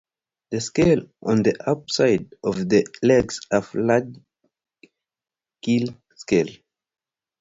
The scales on the upperside of the legs have large keeled scales.